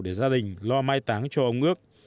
để gia đình lo mai táng cho ông ước